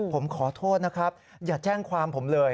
ผมขอโทษนะครับอย่าแจ้งความผมเลย